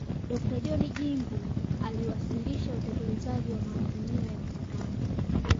dokta john jingu aliwasilisha utekelezaji wa maazimio ya mkutano